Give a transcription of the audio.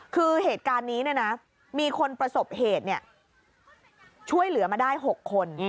คือเหตุการณ์นี้มีคนประสบเหตุช่วยเหลือมาได้๖คน